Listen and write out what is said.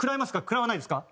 食らわないですか？